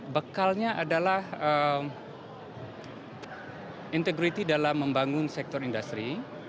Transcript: bekalnya adalah integrity dalam membangun sektor industri